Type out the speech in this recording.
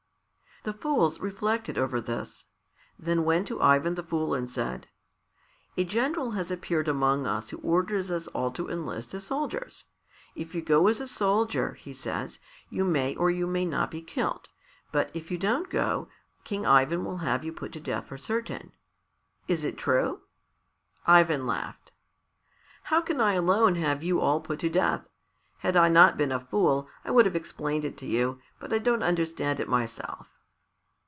The fools reflected over this; then went to Ivan the Fool and said, "A general has appeared among us who orders us all to enlist as soldiers. 'If you go as a soldier,' he says, 'you may or you may not be killed, but if you don't go, King Ivan will have you put to death for certain.' Is it true?" Ivan laughed. "How can I alone have you all put to death? Had I not been a fool I would have explained it to you, but I don't understand it myself."